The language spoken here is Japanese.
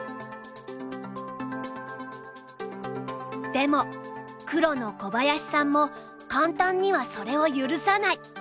でも黒の小林さんも簡単にはそれを許さない。